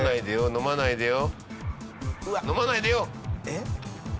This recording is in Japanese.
飲まないでよ！